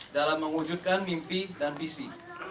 dalam mewujudkan mimpi dan visi